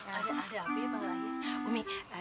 ada hp ya pak laya